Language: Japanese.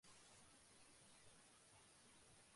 水の音はきこえませんが、行く途中、